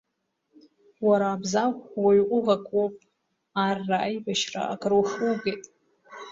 Уара, Абзагә, уаҩ ҟәыӷак уоуп, арра, аибашьра, акрухугеит.